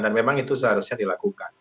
dan memang itu seharusnya dilakukan